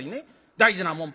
大事なもん